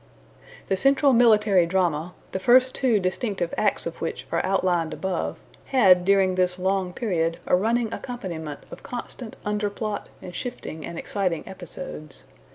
The central military drama, the first two distinctive acts of which are outlined above, had during this long period a running accompaniment of constant under plot and shifting and exciting episodes.